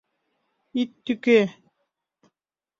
Ит тӱкӧ...